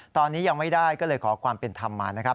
ตอนนี้ยังไม่ได้ก็เลยขอความเป็นธรรมมานะครับ